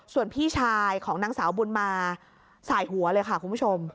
ส่วนพี่ชายของนางสาวบุญมาสายหัวเลยค่ะคุณผู้ชม